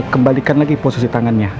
kembalikan lagi posisi tangannya